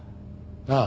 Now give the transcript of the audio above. ああ。